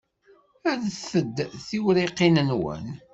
Rret-d tiwriqin-nwen.